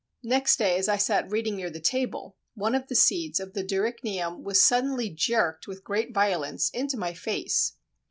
"Next day as I sat reading near the table, one of the seeds of the Dorycnium was suddenly jerked with great violence into my face."